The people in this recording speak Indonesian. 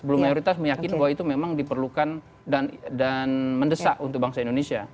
belum mayoritas meyakini bahwa itu memang diperlukan dan mendesak untuk bangsa indonesia